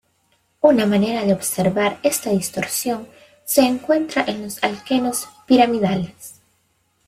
Una manera de observar esta distorsión se encuentra en los alquenos piramidales.